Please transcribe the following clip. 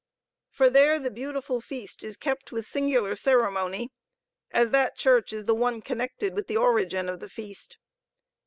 For there the beautiful feast is kept with singular ceremony, as that church is the one connected with the origin of the feast.